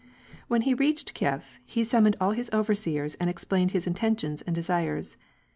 When he reached Kief, he summoned all his overseers, and explained his intentions and desires.